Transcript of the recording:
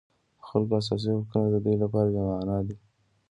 د خلکو اساسي حقونه د دوی لپاره بېمعنا دي.